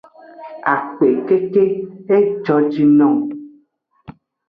Akpe keke; ejojinung.